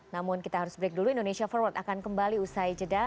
namun kita harus break dulu indonesia forward akan kembali usai jeda